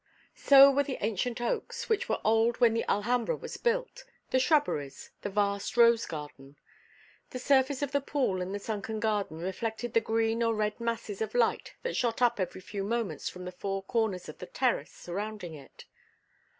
So were the ancient oaks, which were old when the Alhambra was built, the shrubberies, the vast rose garden. The surface of the pool in the sunken garden reflected the green or red masses of light that shot up every few moments from the four corners of the terrace surrounding it.